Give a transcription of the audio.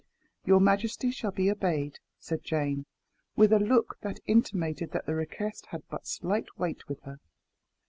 "Your majesty shall be obeyed," said Jane, with a look that intimated that the request had but slight weight with her.